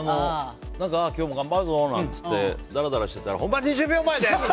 今日も頑張るぞなんてだらだらしてたら本番２０秒前です！